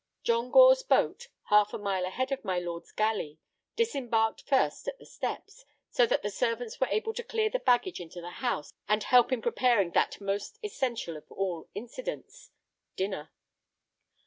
John Gore's boat, half a mile ahead of my lord's galley, disembarked first at the steps, so that the servants were able to clear the baggage into the house and help in preparing that most essential of all incidents—dinner.